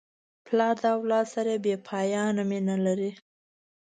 پلار د اولاد سره بېپایانه مینه لري.